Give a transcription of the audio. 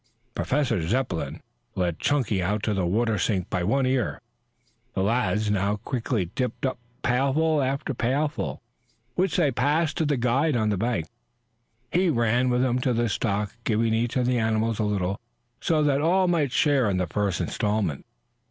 Professor Zepplin led Chunky out to the water sink, by one ear. The lads now quickly dipped up pailful after pailful, which they passed to the guide on the bank. He ran with them to the stock, giving each of the animals a little, so that all might share in the first instalment.